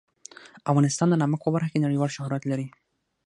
افغانستان د نمک په برخه کې نړیوال شهرت لري.